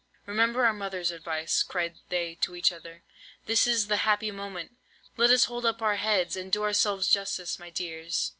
'Remember our mother's advice,' cried they to each other. 'This is the happy moment! Let us hold up our heads, and do ourselves justice, my dears.